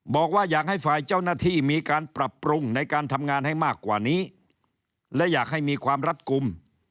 บอกว่าอยากให้ฝ่ายเจ้าหน้าที่มีการปรับปรุงในการทำงานให้มากกว่านี้และอยากให้มีความรัดกลุ่ม